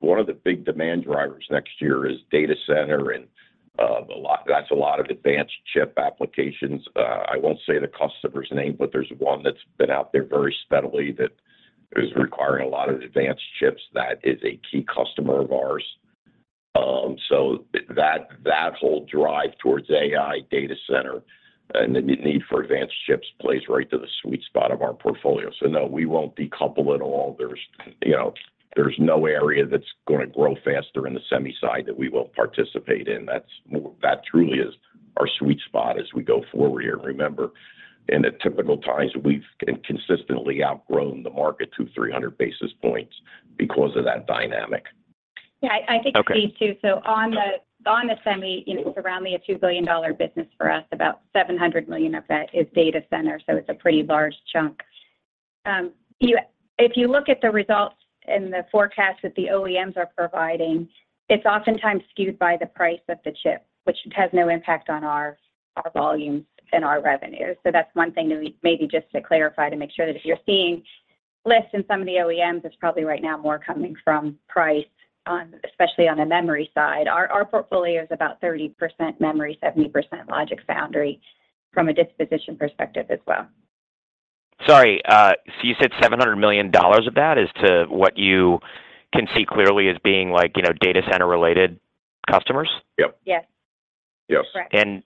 one of the big demand drivers next year is data center, and that's a lot of advanced chip applications. I won't say the customer's name, but there's one that's been out there very steadily that is requiring a lot of advanced chips that is a key customer of ours. So that whole drive towards AI data center and the need for advanced chips plays right to the sweet spot of our portfolio. So no, we won't decouple at all. There's, you know, there's no area that's going to grow faster in the Semi side that we won't participate in. That's that truly is our sweet spot as we go forward here. Remember, in the typical times, we've consistently outgrown the market 200-300 basis points because of that dynamic. Yeah, I think Steve, too. Okay. So on the, on the semi, you know, it's around a $2 billion business for us. About $700 million of that is data center, so it's a pretty large chunk... You, if you look at the results and the forecast that the OEMs are providing, it's oftentimes skewed by the price of the chip, which has no impact on our, our volumes and our revenues. So that's one thing that we, maybe just to clarify, to make sure that if you're seeing less in some of the OEMs, it's probably right now more coming from price on, especially on the memory side. Our, our portfolio is about 30% memory, 70% logic foundry from a disposition perspective as well. Sorry, so you said $700 million of that is to what you can see clearly as being like, you know, data center-related customers? Yep. Yes. Yes. Correct. And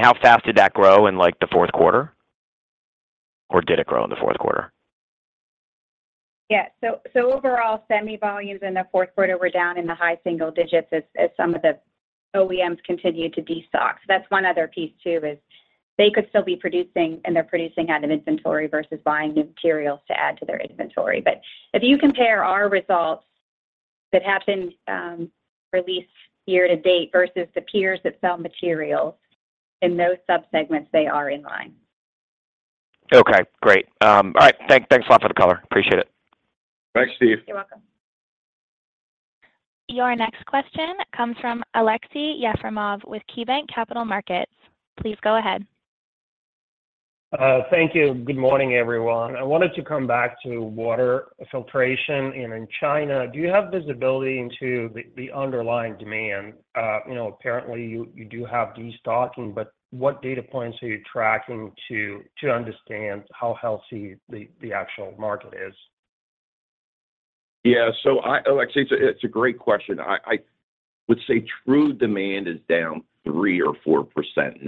how fast did that grow in, like, the fourth quarter? Or did it grow in the fourth quarter? Yeah. So, so overall, Semi volumes in the fourth quarter were down in the high single digits as some of the OEMs continued to destock. So that's one other piece too, is they could still be producing, and they're producing out of inventory versus buying new materials to add to their inventory. But if you compare our results that happened at least year-to-date versus the peers that sell materials in those subsegments, they are in line. Okay, great. All right. Thanks a lot for the color. Appreciate it. Thanks, Steve. You're welcome. Your next question comes from Aleksey Yefremov with KeyBanc Capital Markets. Please go ahead. Thank you. Good morning, everyone. I wanted to come back to water filtration in China. Do you have visibility into the underlying demand? You know, apparently you do have destocking, but what data points are you tracking to understand how healthy the actual market is? Yeah. So Aleksey, it's a great question. I would say true demand is down -3% or -4%.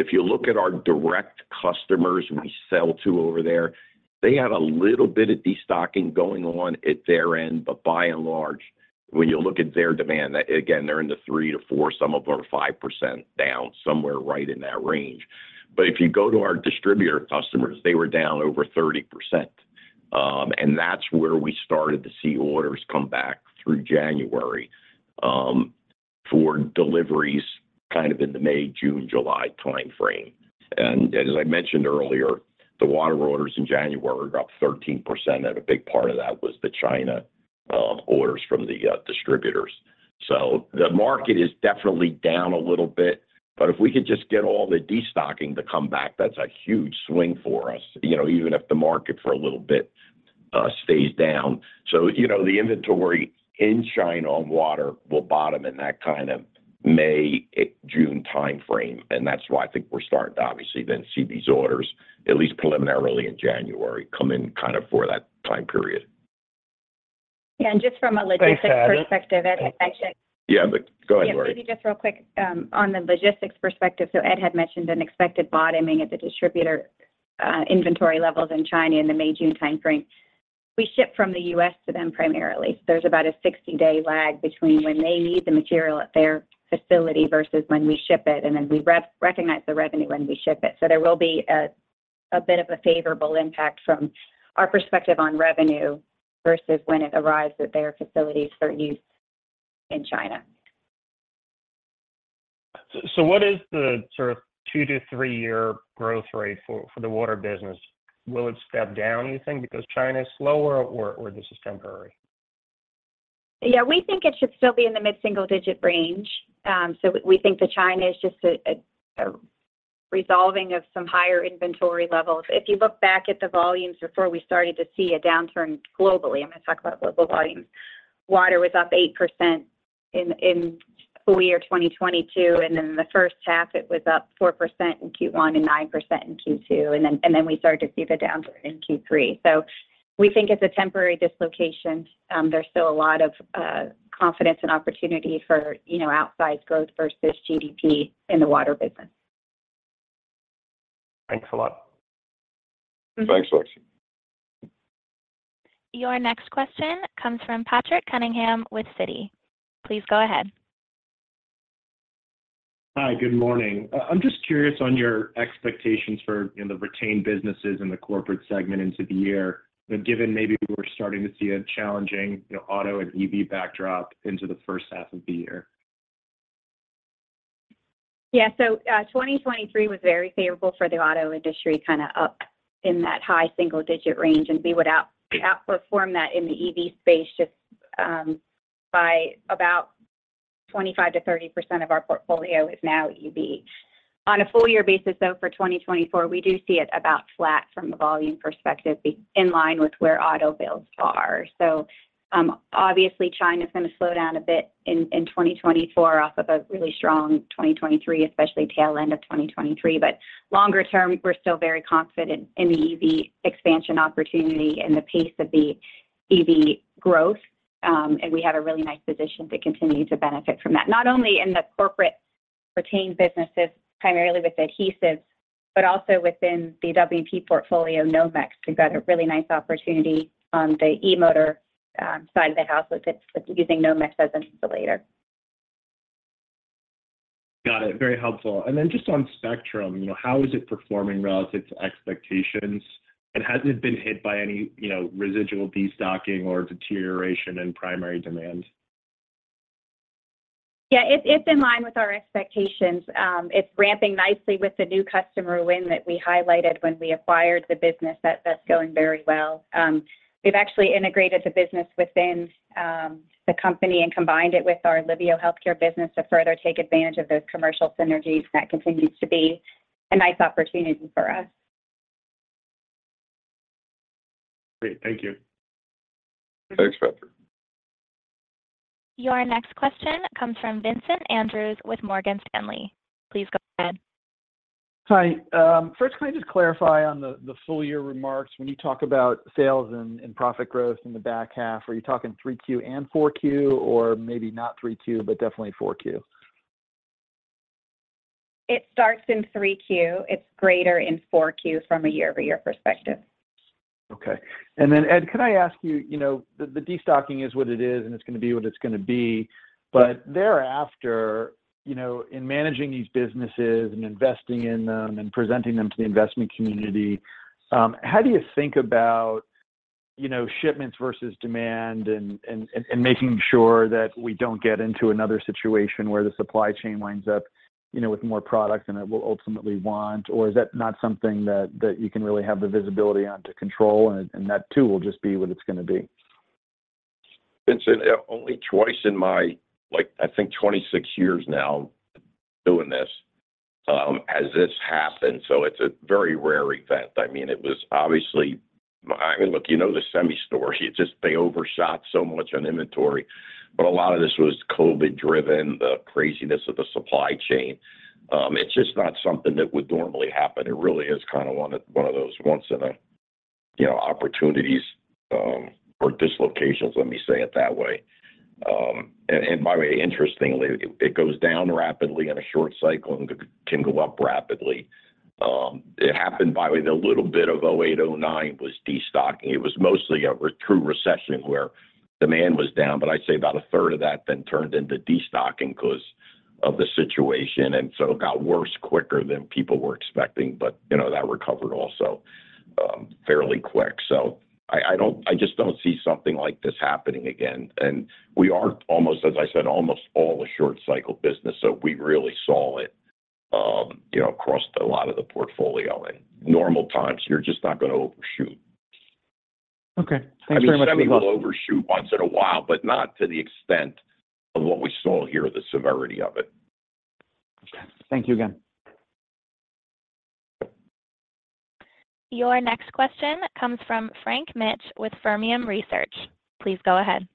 If you look at our direct customers we sell to over there, they have a little bit of destocking going on at their end. But by and large, when you look at their demand, again, they're in the 3%-4%, some of them are 5% down, somewhere right in that range. But if you go to our distributor customers, they were down over 30%. And that's where we started to see orders come back through January for deliveries kind of in the May, June, July time frame. And as I mentioned earlier, the water orders in January were up 13%, and a big part of that was the China orders from the distributors. So the market is definitely down a little bit, but if we could just get all the destocking to come back, that's a huge swing for us, you know, even if the market for a little bit stays down. So, you know, the inventory in China on water will bottom in that kind of May, June time frame, and that's why I think we're starting to obviously then see these orders, at least preliminarily in January, come in kind of for that time period. Yeah, and just from a logistics perspective, Ed, I should- Yeah, but go ahead, Lori. Yeah, maybe just real quick, on the logistics perspective. So Ed had mentioned an expected bottoming at the distributor inventory levels in China in the May-June time frame. We ship from the U.S. to them primarily. There's about a 60-day lag between when they need the material at their facility versus when we ship it, and then we recognize the revenue when we ship it. So there will be a bit of a favorable impact from our perspective on revenue versus when it arrives at their facilities for use in China. So what is the sort of two to three-year growth rate for the water business? Will it step down, you think, because China is slower or this is temporary? Yeah, we think it should still be in the mid-single-digit range. So we think that China is just a resolving of some higher inventory levels. If you look back at the volumes before we started to see a downturn globally, I'm going to talk about global volumes, water was up 8% in full year 2022, and in the first half it was up 4% in Q1 and 9% in Q2, and then we started to see the downturn in Q3. So we think it's a temporary dislocation. There's still a lot of confidence and opportunity for, you know, outsized growth versus GDP in the water business. Thanks a lot. Thanks, Aleksey. Your next question comes from Patrick Cunningham with Citi. Please go ahead. Hi, good morning. I'm just curious on your expectations for, you know, the retained businesses in the corporate segment into the year, but given maybe we're starting to see a challenging, you know, auto and EV backdrop into the first half of the year? Yeah. So, 2023 was very favorable for the auto industry, kind of up in that high single-digit range, and we would outperform that in the EV space just, by about 25%-30% of our portfolio is now EV. On a full year basis, though, for 2024, we do see it about flat from a volume perspective, be in line with where auto builds are. So, obviously, China is going to slow down a bit in 2024 off of a really strong 2023, especially tail end of 2023. But longer term, we're still very confident in the EV expansion opportunity and the pace of the EV growth, and we have a really nice position to continue to benefit from that. Not only in the corporate retained businesses, primarily with adhesives, but also within the W&P portfolio, Nomex. We've got a really nice opportunity on the e-motor side of the house with it, with using Nomex as an insulator. Got it. Very helpful. And then just on Spectrum, you know, how is it performing relative to expectations? And has it been hit by any, you know, residual destocking or deterioration in primary demand? Yeah, it's, it's in line with our expectations. It's ramping nicely with the new customer win that we highlighted when we acquired the business. That's, that's going very well. We've actually integrated the business within the company and combined it with our Liveo Healthcare business to further take advantage of those commercial synergies. That continues to be a nice opportunity for us. Great. Thank you. Thanks, Patrick. Your next question comes from Vincent Andrews with Morgan Stanley. Please go ahead. Hi. First, can I just clarify on the full-year remarks, when you talk about sales and profit growth in the back half, are you talking 3Q and 4Q, or maybe not 3Q, but definitely 4Q? It starts in 3Q. It's greater in 4Q from a year-over-year perspective. Okay. And then, Ed, can I ask you, you know, the destocking is what it is, and it's gonna be what it's gonna be, but thereafter, you know, in managing these businesses and investing in them and presenting them to the investment community, how do you think about, you know, shipments versus demand and making sure that we don't get into another situation where the supply chain winds up, you know, with more product than it will ultimately want? Or is that not something that you can really have the visibility on to control, and that too, will just be what it's gonna be? Vincent, only twice in my, like, I think 26 years now doing this, has this happened, so it's a very rare event. I mean, it was obviously, I mean, look, you know the semi story. It's just they overshot so much on inventory, but a lot of this was COVID-driven, the craziness of the supply chain. It's just not something that would normally happen. It really is kind of one of, one of those once in a, you know, opportunities, or dislocations, let me say it that way. And by the way, interestingly, it goes down rapidly in a short cycle and can go up rapidly. It happened, by the way, the little bit of 2008, 2009 was destocking. It was mostly a true recession where demand was down, but I'd say about a third of that then turned into destocking because of the situation, and so it got worse quicker than people were expecting. But, you know, that recovered also, fairly quick. So I don't. I just don't see something like this happening again. And we are almost, as I said, almost all a short cycle business, so we really saw it, you know, across a lot of the portfolio. In normal times, you're just not gonna overshoot. Okay. Thanks very much. I mean, semi will overshoot once in a while, but not to the extent of what we saw here, the severity of it. Okay. Thank you again. Your next question comes from Frank Mitsch with Fermium Research. Please go ahead.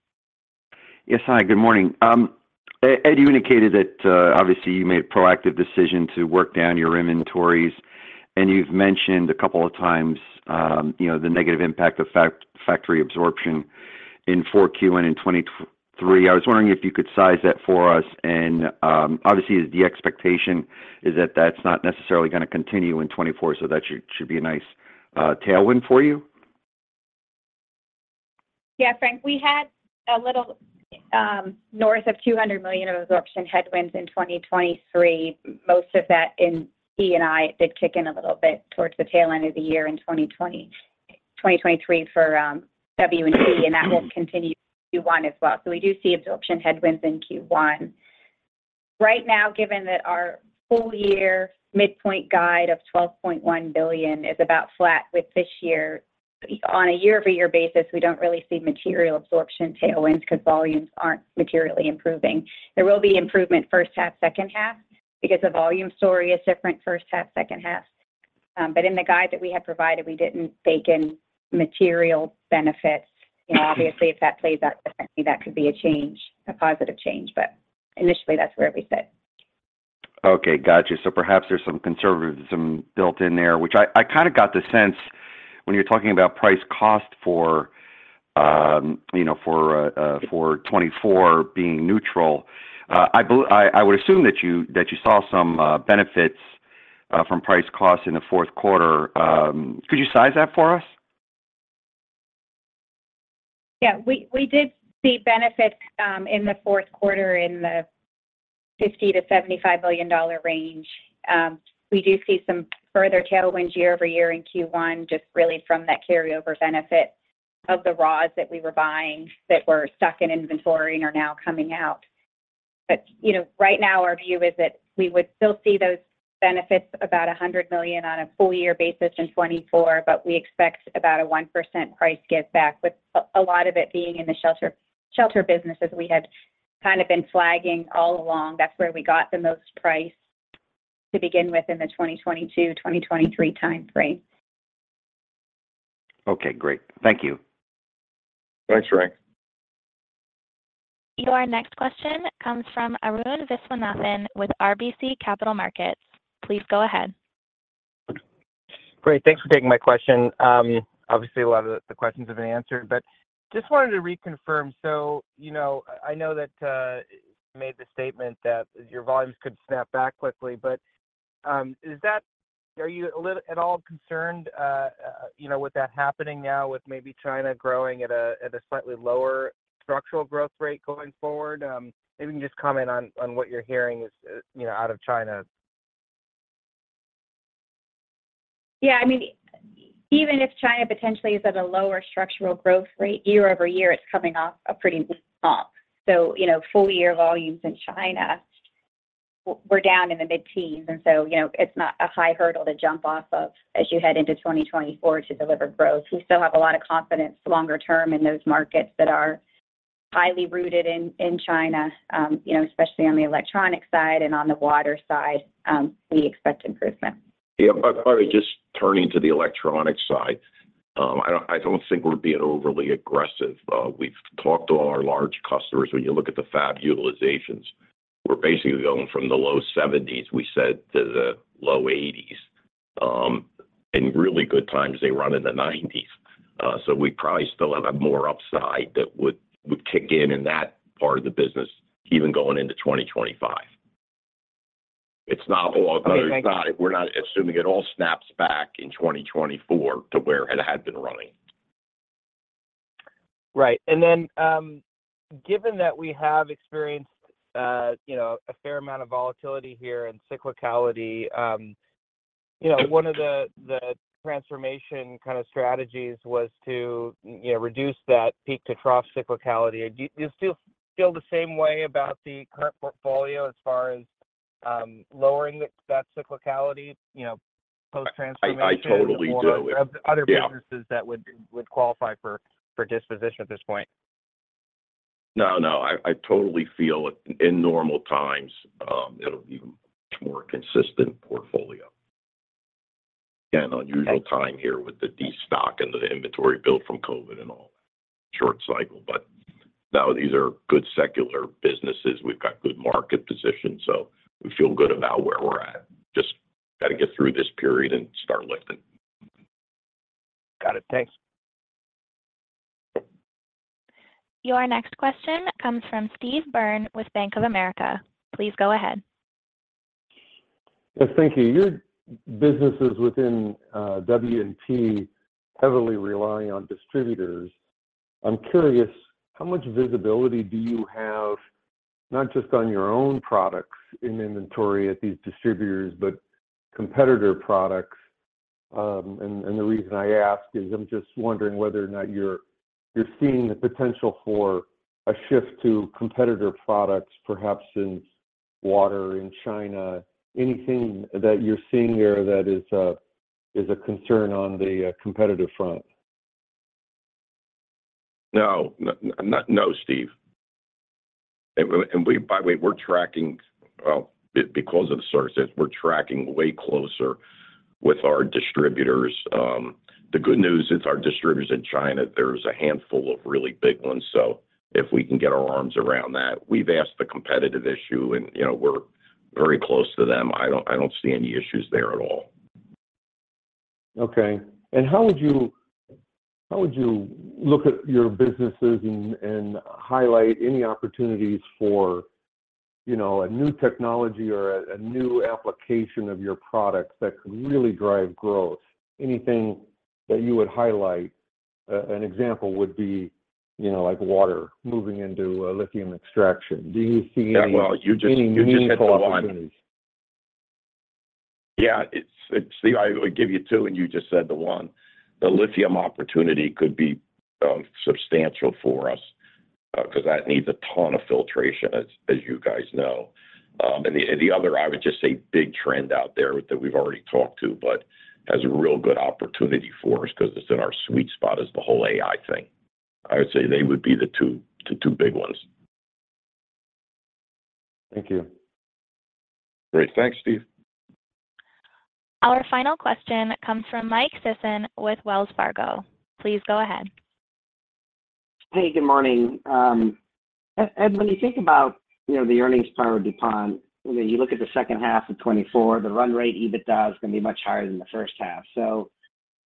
Yes, hi, good morning. Ed, you indicated that, obviously you made a proactive decision to work down your inventories, and you've mentioned a couple of times, you know, the negative impact of factory absorption in Q4 and in 2023. I was wondering if you could size that for us, and, obviously, the expectation is that that's not necessarily gonna continue in 2024, so that should, should be a nice, tailwind for you? Yeah, Frank, we had a little, north of $200 million of absorption headwinds in 2023. Most of that in E&I did kick in a little bit towards the tail end of the year in 2023 for W&P, and that will continue Q1 as well. So we do see absorption headwinds in Q1. Right now, given that our full year midpoint guide of $12.1 billion is about flat with this year, on a year-over-year basis, we don't really see material absorption tailwinds because volumes aren't materially improving. There will be improvement first half, second half, because the volume story is different first half, second half. But in the guide that we had provided, we didn't bake in material benefits, and obviously, if that plays out differently, that could be a change, a positive change. But initially, that's where we sit. Okay, gotcha. So perhaps there's some conservatism built in there, which I kind of got the sense when you're talking about price cost for, you know, for 2024 being neutral. I would assume that you saw some benefits from price costs in the fourth quarter. Could you size that for us? Yeah, we did see benefits in the fourth quarter in the $50 million-$75 million range. We do see some further tailwinds year-over-year in Q1, just really from that carryover benefit of the raws that we were buying that were stuck in inventory and are now coming out. But, you know, right now our view is that we would still see those benefits about $100 million on a full-year basis in 2024, but we expect about a 1% price giveback, with a lot of it being in the shelter businesses we had kind of been flagging all along. That's where we got the most price to begin with in the 2022, 2023 time frame. Okay, great. Thank you. Thanks, Frank. Your next question comes from Arun Viswanathan with RBC Capital Markets. Please go ahead. Great. Thanks for taking my question. Obviously, a lot of the questions have been answered, but just wanted to reconfirm. So, you know, I know that you made the statement that your volumes could snap back quickly, but are you a little at all concerned, you know, with that happening now with maybe China growing at a slightly lower structural growth rate going forward? Maybe you can just comment on what you're hearing is, you know, out of China? Yeah, I mean, even if China potentially is at a lower structural growth rate year-over-year, it's coming off a pretty weak comp. So, you know, full year volumes in China were down in the mid-teens, and so, you know, it's not a high hurdle to jump off of as you head into 2024 to deliver growth. We still have a lot of confidence longer term in those markets that are highly rooted in China, you know, especially on the electronic side and on the water side, we expect improvement. Yeah, but probably just turning to the electronic side, I don't, I don't think we're being overly aggressive. We've talked to all our large customers. When you look at the fab utilizations, we're basically going from the low 70s, we said, to the low 80s. In really good times, they run in the 90s. So we probably still have more upside that would, would kick in in that part of the business, even going into 2025. It's not all, it's not - we're not assuming it all snaps back in 2024 to where it had been running. Right. And then, given that we have experienced, you know, a fair amount of volatility here and cyclicality, you know, one of the transformation kind of strategies was to, you know, reduce that peak-to-trough cyclicality. Do you, do you still feel the same way about the current portfolio as far as, lowering that cyclicality, you know, post transformation? I totally do. Or other businesses that would qualify for disposition at this point. No, no, I totally feel it. In normal times, it'll be more consistent portfolio. Again, unusual time here with the destock and the inventory build from COVID and all that short cycle, but now these are good secular businesses. We've got good market position, so we feel good about where we're at. Just got to get through this period and start lifting. Got it. Thanks. Your next question comes from Steve Byrne with Bank of America. Please go ahead. Yes, thank you. Your businesses within W&P heavily rely on distributors. I'm curious, how much visibility do you have, not just on your own products in inventory at these distributors, but competitor products? And the reason I ask is I'm just wondering whether or not you're seeing the potential for a shift to competitor products, perhaps in Water in China. Anything that you're seeing there that is a concern on the competitive front? No, Steve. And we, by the way, we're tracking way closer with our distributors because of the circumstances. The good news is our distributors in China. There's a handful of really big ones, so if we can get our arms around that, we've asked the competitive issue, and, you know, we're very close to them. I don't see any issues there at all. Okay. And how would you, how would you look at your businesses and, and highlight any opportunities for, you know, a new technology or a, a new application of your products that could really drive growth? Anything that you would highlight, an example would be, you know, like water moving into a lithium extraction. Do you see any- Yeah, well, you just, you just hit the one. Any new opportunities? Yeah, it's. I would give you two, and you just said the one. The lithium opportunity could be substantial for us, because that needs a ton of filtration, as you guys know. And the other, I would just say, big trend out there that we've already talked to, but has a real good opportunity for us because it's in our sweet spot, is the whole AI thing. I would say they would be the two, the two big ones. Thank you. Great. Thanks, Steve. Our final question comes from Mike Sisson with Wells Fargo. Please go ahead. Hey, good morning. Ed, Ed, when you think about, you know, the earnings power of DuPont, when you look at the second half of 2024, the run rate, EBITDA is going to be much higher than the first half. So,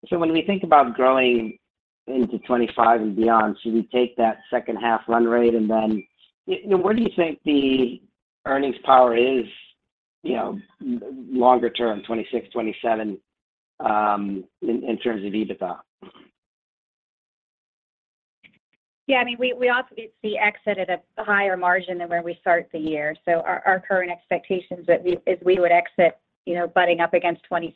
so when we think about growing into 2025 and beyond, should we take that second half run rate, and then, you know, where do you think the earnings power is, you know, longer term, 2026, 2027, in, in terms of EBITDA? Yeah, I mean, we, we obviously see exit at a higher margin than where we start the year. So our, our current expectations that is we would exit, you know, butting up against 26%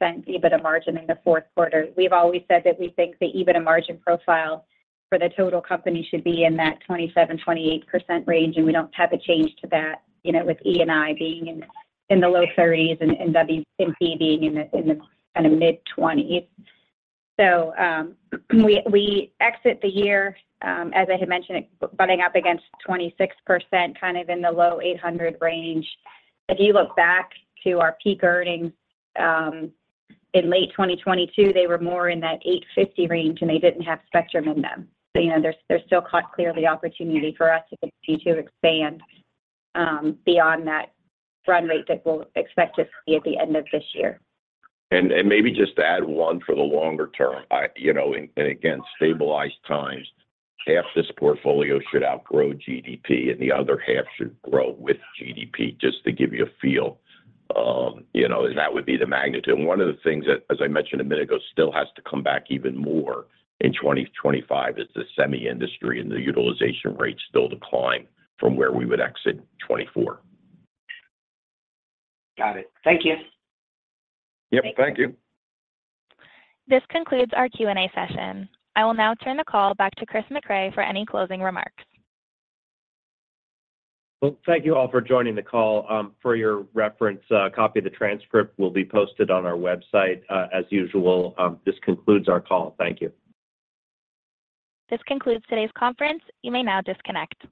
EBITDA margin in the fourth quarter. We've always said that we think the EBITDA margin profile for the total company should be in that 27%-28% range, and we don't have a change to that, you know, with E&I being in the low 30s and W&P being in the kind of mid-20s. So, we exit the year, as I had mentioned, butting up against 26%, kind of in the low $800 range. If you look back to our peak earnings in late 2022, they were more in that $850 range, and they didn't have Spectrum in them. So, you know, there's still clearly opportunity for us to continue to expand beyond that run rate that we'll expect to see at the end of this year. Maybe just to add one for the longer term, you know, and again, in stabilized times, half this portfolio should outgrow GDP, and the other half should grow with GDP, just to give you a feel. You know, and that would be the magnitude. And one of the things that, as I mentioned a minute ago, still has to come back even more in 2025 is the semi industry, and the utilization rates still decline from where we would exit 2024. Got it. Thank you. Yep, thank you. This concludes our Q&A session. I will now turn the call back to Chris Mecray for any closing remarks. Well, thank you all for joining the call. For your reference, a copy of the transcript will be posted on our website, as usual. This concludes our call. Thank you. This concludes today's conference. You may now disconnect.